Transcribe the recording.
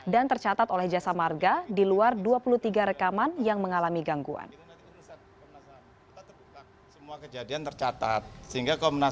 dan tercatat oleh jasa marga di luar dua puluh tiga rekaman yang mengalami gangguan